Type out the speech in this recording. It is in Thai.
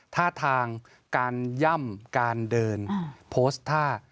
ท่าทางการย่ำการเดินโพสต์ท่า